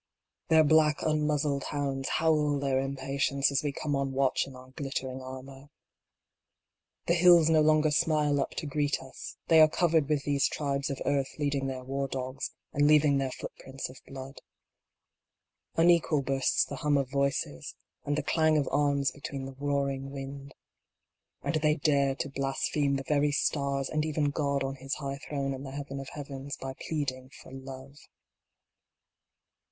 Their black unmuzzled hounds howl their impatience as we come on watch in our glittering armor. The hills no longer smile up to greet us, they are covered with these tribes of earth leading their war dogs, and leaving their footprints of blood. Unequal bursts the hum of voices, and the clang of arms between the roaring wind. And they dare to blaspheme the very stars, and even God on His high throne in the Heaven of Heavens, by pleading for Love.